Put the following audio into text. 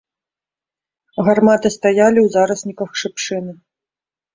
Гарматы стаялі ў зарасніках шыпшыны.